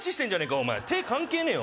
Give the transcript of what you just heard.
お前手関係ねえよ